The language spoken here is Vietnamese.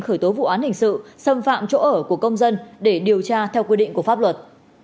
khởi tố vụ án hình sự xâm phạm chỗ ở của công dân để điều tra theo quy định của pháp luật